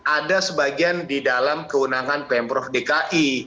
ada sebagian di dalam keunangan pembroke dki